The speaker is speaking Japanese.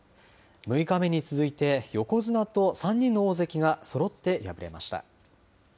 ６日目に続いて、横綱と３人の大関がそろって敗れました。